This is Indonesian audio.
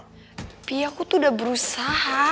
tapi aku tuh udah berusaha